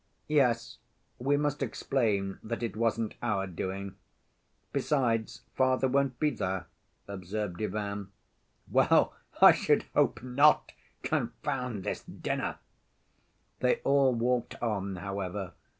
"Yes, we must explain that it wasn't our doing. Besides, father won't be there," observed Ivan. "Well, I should hope not! Confound this dinner!" They all walked on, however.